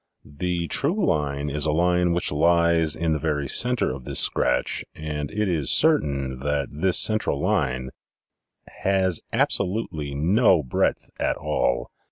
The true line is a line which lies in the very center of this scratch and it is certain that this central line has absolutely no breadth at all."